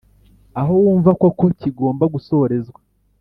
aho wumva koko kigomba gusorezwa.